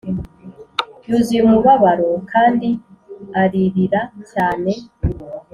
yuzuye umubabaro kandi aririra cyane